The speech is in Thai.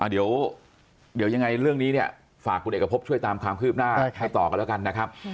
เดี๋ยวยังไงเรื่องนี้เนี่ยฝากคุณเอกพบช่วยตามความคืบหน้าให้ต่อกันแล้วกันนะครับ